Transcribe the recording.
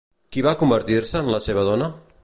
Qui va convertir-se en la seva dona?